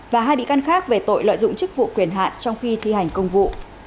và hai bị can khác về tội lợi dụng chức vụ quyền hạn trong khi thi hành công vụ